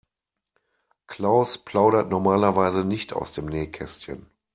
Klaus plaudert normalerweise nicht aus dem Nähkästchen.